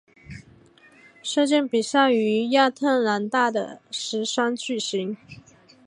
射箭比赛于亚特兰大的石山举行。